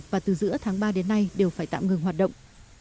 và từ giữa tháng ba đến nay đều phải tạm ngừng hoạt động